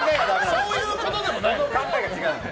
そういうことでもない。